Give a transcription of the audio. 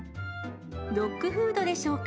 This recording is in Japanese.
ドッグフードでしょうか。